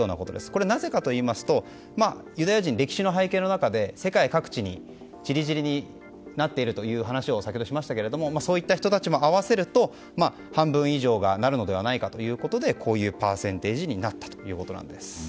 これ、なぜかといいますとユダヤ人、歴史の背景の中で世界各地に散り散りになっているという話を先ほどしましたけどもそういった人たちも合わせると半分以上がなるのではないかということでこういうパーセンテージになったということです。